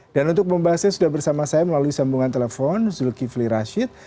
dan untuk membahasnya sudah bersama saya melalui sambungan telepon zulkifli rashid